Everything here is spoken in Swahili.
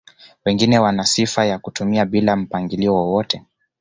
Wengine wana sifa ya kutumia bila mpangilio wowote